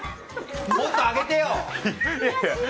もっと上げてよ！